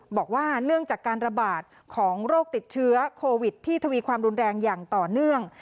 บอกว่าเนื่องจากการระบาดของโรคติดเชื้อโควิดที่ทวีความรุนแรงอย่างต่อเนื่อง